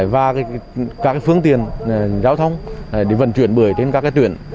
và các phương tiền giao thông để vận chuyển bưởi trên các tuyển